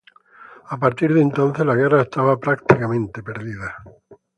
A partir de entonces, la guerra estaba prácticamente perdida.